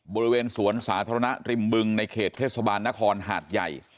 บริเวณสวนสาธารณะริมบึงในเขตเทศบาลนครหาดใหญ่